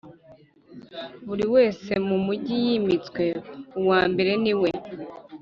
buri wese mu mujyi yimitswe. uwa mbere ni we